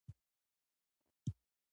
غاب مې ترې واخیست او ګوردیني ته مې ورکړ.